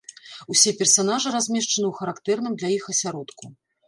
Усе персанажы размешчаны ў характэрным для іх асяродку.